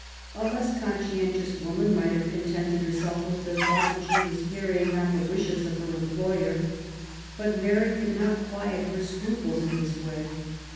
A less con scientious woman might have contented herself with the thought that she was carrying out the wishes of her employer. But Mary could not quiet her scruples in this way.